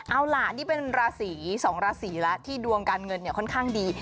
เอาล่ะนี่เป็นราศีสองราศีแล้วที่ดวงการเงินเนี่ยค่อนข้างดี